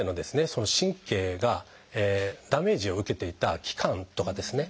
その神経がダメージを受けていた期間とかですね